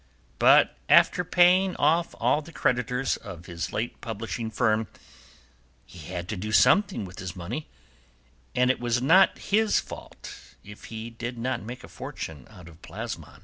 But after paying off the creditors of his late publishing firm, he had to do something with his money, and it was not his fault if he did not make a fortune out of plasmon.